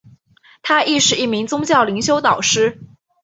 她亦是一名宗教灵修导师。